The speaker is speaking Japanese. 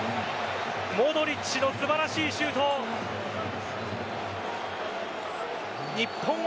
モドリッチの素晴らしいシュートを。